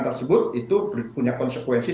tersebut itu punya konsekuensi